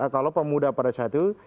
kalau pemuda pada saat itu